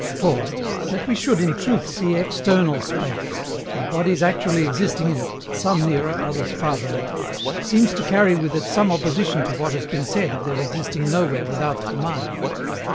For, that we should in truth see EXTERNAL space, and bodies actually existing in it, some nearer, others farther off, seems to carry with it some opposition to what has been said of their existing nowhere without the mind.